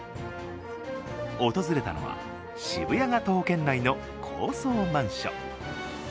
訪れたのは渋谷が徒歩圏内の高層マンション。